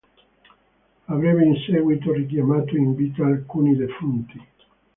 Avrebbe in seguito richiamato in vita alcuni defunti.